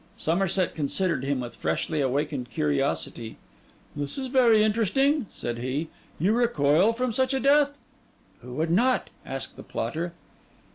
Somerset considered him with freshly awakened curiosity. 'This is very interesting,' said he. 'You recoil from such a death?' 'Who would not?' asked the plotter.